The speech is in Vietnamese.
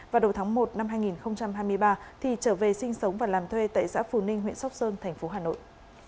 vào đầu tháng một năm hai nghìn hai mươi ba thì trở về sinh sống và làm thuê tại xã phù ninh huyện sóc sơn thành phố hà nội